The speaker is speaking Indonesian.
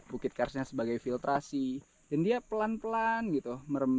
bukit karsnya sebagai filtrasi dan dia pelan pelan gitu merebut